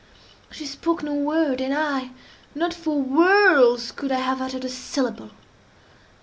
She spoke no word; and I—not for worlds could I have uttered a syllable.